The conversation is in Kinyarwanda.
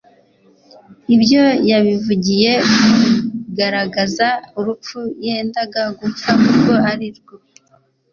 Ibyo yabivugiye kugaragaza urupfu yendaga gupfa urwo ari rwo."